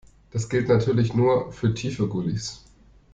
Das gilt natürlich nur für tiefe Gullys.